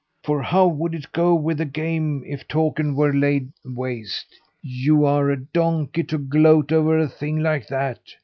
For how would it go with the game if Takern were laid waste. You're a donkey to gloat over a thing like that.